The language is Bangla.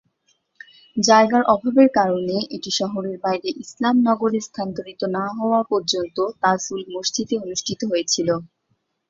জায়গার অভাবের কারণে এটি শহরের বাইরে ইসলাম নগরে স্থানান্তরিত না হওয়া পর্যন্ত তাজ-উল-মসজিদে অনুষ্ঠিত হয়েছিল।